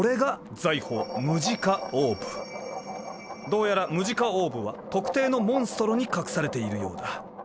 どうやらムジカオーブは特定のモンストロに隠されているようだ。